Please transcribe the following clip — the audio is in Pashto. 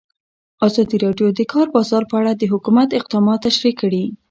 ازادي راډیو د د کار بازار په اړه د حکومت اقدامات تشریح کړي.